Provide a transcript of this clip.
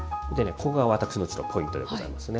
ここが私のポイントでございますね。